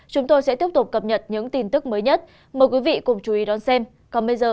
chúng tôi sẽ tiếp tục cập nhật những tin tức mới nhất mời quý vị cùng chú ý đón xem